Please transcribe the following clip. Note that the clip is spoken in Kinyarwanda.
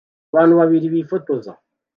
Abantu babiri bifotoza